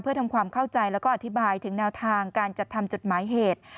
เพื่อทำความเข้าใจแล้วก็อธิบายถึงแนวทางการจัดทำจดหมายเหตุ